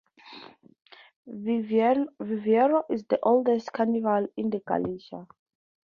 Viveiro's is the oldest Carnival in Galicia.